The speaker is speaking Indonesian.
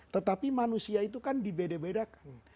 tetapi manusia itu kan dibedakan